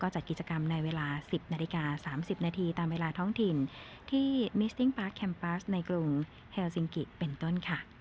จัดกิจกรรมในเวลา๑๐นาฬิกา๓๐นาทีตามเวลาท้องถิ่นที่มิสติ้งปาร์คแคมปัสในกรุงเฮลซิงกิเป็นต้น